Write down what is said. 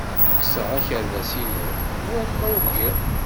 Kkseɣ akerbas-inu war ma ukiɣ.